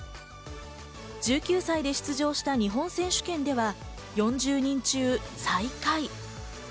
１９歳で出場した日本選手権では、４０人中、最下位。